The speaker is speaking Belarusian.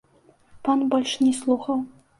Пан больш не слухаў.